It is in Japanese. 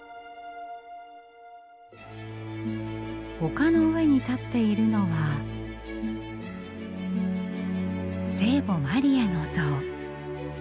丘の上に立っているのは聖母マリアの像。